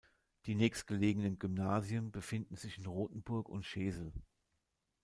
Die nächstgelegenen Gymnasien befinden sich in Rotenburg und Scheeßel.